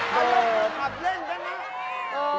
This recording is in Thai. กลับเล่นกันนะ